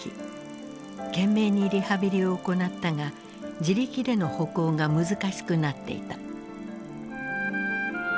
懸命にリハビリを行ったが自力での歩行が難しくなっていた。